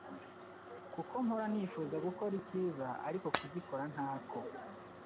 kuko mpora nifuza gukora icyiza, ariko kugikora ntako